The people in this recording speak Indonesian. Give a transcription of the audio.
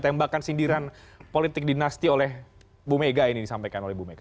tembakan sindiran politik dinasti oleh bu mega ini disampaikan oleh bu mega